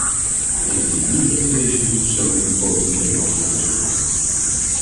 Ik denk niet dat u deze doelstellingen de komende tweeënhalf jaar zult halen!